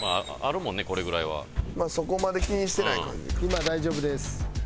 今大丈夫です。